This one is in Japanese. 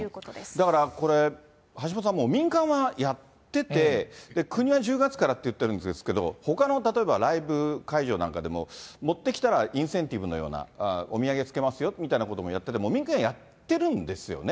だからこれ、橋下さん、民間はやってて、国は１０月からって言ってるんですけど、ほかの例えばライブ会場なんかでも、持ってきたらインセンティブのようなお土産つけますよみたいなこともやってて、もうみんなやってるんですよね。